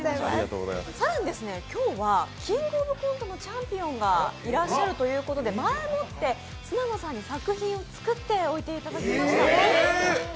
更に今日は「キングオブコント」のチャンピオンがいらっしゃるということで前もって砂野さんに作品を作っておいていただきました。